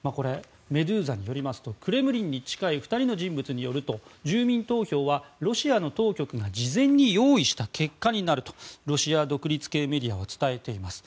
メドゥーザによりますとクレムリンに近い２人の人物によると住民投票はロシアの当局が事前に用意した結果になるとロシア独立系メディアは伝えています。